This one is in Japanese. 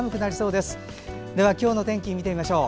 では、今日の天気見てみましょう。